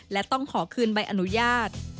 และต้องขอคืนใบอนุญาต